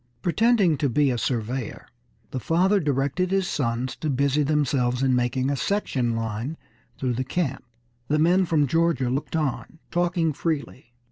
Pretending to be a surveyor, the father directed his sons to busy themselves in making a section line through the camp. The men from Georgia looked on, talking freely.